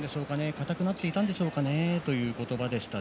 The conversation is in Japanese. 硬くなっていたんでしょうかねという言葉でした。